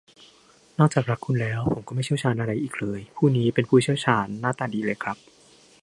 นอกจากรักคุณแล้ว ผมก็ไม่เชี่ยวชาญอะไรอีกเลย ผู้นี้เป็นผู้เชี่ยวชาญหน้าตาดีเลยครับ